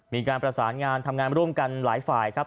มีการประสานงานทำงานร่วมกันหลายฝ่ายครับ